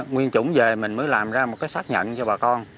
nguyên chủ về mình mới làm ra một cái xác nhận cho bà con